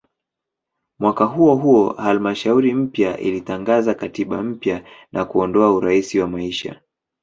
Mwaka huohuo halmashauri mpya ilitangaza katiba mpya na kuondoa "urais wa maisha".